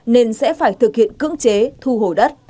nên sẽ phải thực hiện cưỡng chế thu hồi đất